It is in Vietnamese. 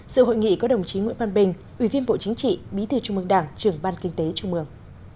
sự hội nghị có đồng chí nguyễn văn bình ủy viên bộ chính trị bí thư trung mương đảng trưởng ban kinh tế trung mương